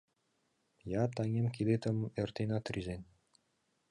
Я, таҥем, кидетым эртенат рӱзен.